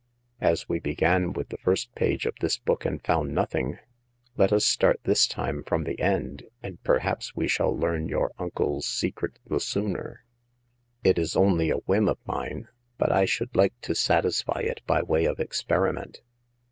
As we began with the first page of this book and found nothing, let us start this time from the end, and perhaps we shall learn your uncle's secret the sooner. It is only a whim of mine, but I should like to satisfy it by way of experiment."